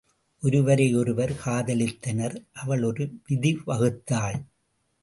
ஒருவரை ஒருவர் காதலித்தனர், அவள் ஒரு விதி வகுத்தாள்.